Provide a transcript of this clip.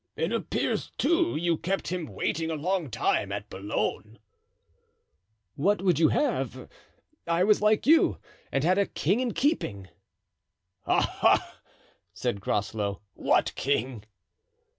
"It appears, too, you kept him waiting a long time at Boulogne." "What would you have? I was like you, and had a king in keeping." "Aha!" said Groslow; "what king?"